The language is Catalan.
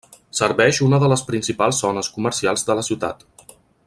Serveix una de les principals zones comercials de la ciutat.